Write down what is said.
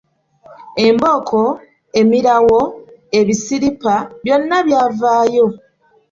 Embooko, emirawo, ebisiripa byonna byavaayo.